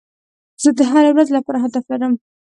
زه د هري ورځي لپاره هدف لرم.